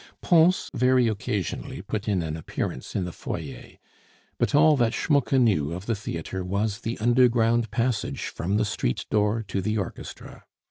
Pons very occasionally put in an appearance in the foyer; but all that Schmucke knew of the theatre was the underground passage from the street door to the orchestra.